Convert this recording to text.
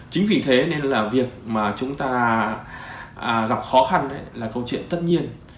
chính vì thế nên là việc mà chúng ta gặp khó khăn là câu chuyện tất nhiên